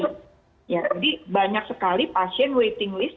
ya jadi banyak sekali pasien waiting list